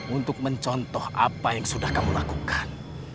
untuk mencontoh apa yang sudah kamu lakukan